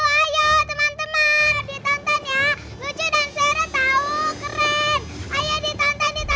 iya kebetulan siap ini sekarangement haltu aja sih